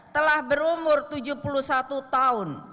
telah berumur tujuh puluh satu tahun